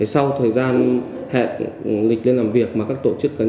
sau thời gian hẹn lịch lên làm việc mà các tổ chức cá nhân